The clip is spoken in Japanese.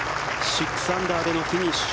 ６アンダーでのフィニッシュ。